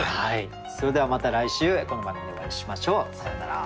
それではまた来週この番組でお会いしましょう。さようなら。